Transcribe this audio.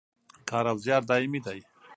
کار او زیار دایمي دی